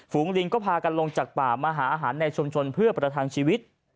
ลิงก็พากันลงจากป่ามาหาอาหารในชุมชนเพื่อประทังชีวิต